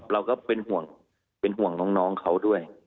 เราก็เป็นห่วงน้องเขาด้วย